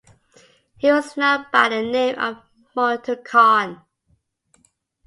He was known by the name of Montu Khan.